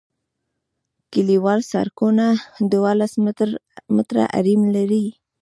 کلیوال سرکونه دولس متره حریم لري